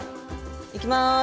いきます。